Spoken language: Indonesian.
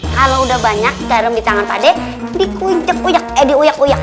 kalau udah banyak garam di tangan pade dikucuk uyak eh diuyak uyak